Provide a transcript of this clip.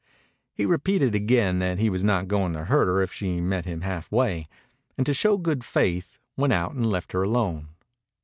He repeated again that he was not going to hurt her if she met him halfway, and to show good faith went out and left her alone.